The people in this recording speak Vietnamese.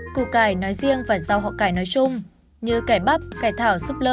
củ cải nói riêng và rau họ cải nói chung như cải bắp cải thảo súp lơ